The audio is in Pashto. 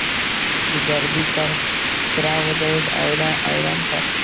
د ډاربي تره ودرېد او حيران پاتې شو.